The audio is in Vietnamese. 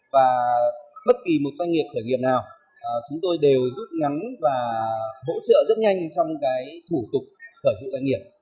và bất kỳ một doanh nghiệp khởi nghiệp nào chúng tôi đều rút ngắn và hỗ trợ rất nhanh trong cái thủ tục khởi sự doanh nghiệp